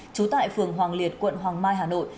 trú tại phường hoàng liệt quận hoàng mai hà nội